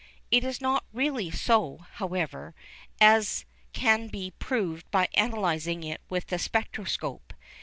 It is not really so, however, as can be proved by analysing it with the spectroscope.